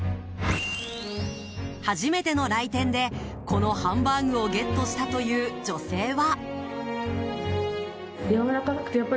初めての来店でこのハンバーグをゲットしたという女性は。